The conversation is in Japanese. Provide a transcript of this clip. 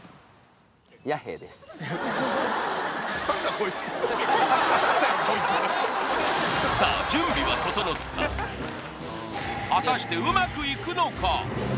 これにはさあ準備は整った果たしてうまくいくのか？